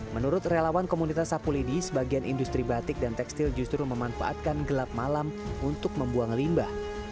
menurut relawan komunitas sapu lidi sebagian industri batik dan tekstil justru memanfaatkan gelap malam untuk membuang limba